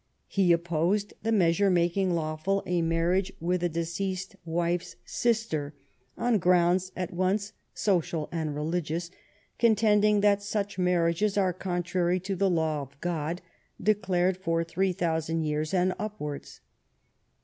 He opposed the measure mak ing lawful a marriage with a deceased wife's sister, on grounds at once social and religious, contending that " such marriages are contrary to the law of God, declared for three thousand years and up wards."